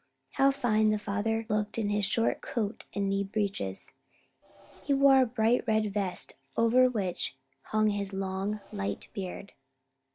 How fine the father looked in his short coat and knee breeches. He wore a bright red vest, over which hung his long light beard.